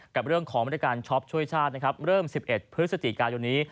กับเรื่องของบริการช็อปช่วยชาตินะครับเริ่มสิบเอ็ดพฤษฎีการณ์วันนี้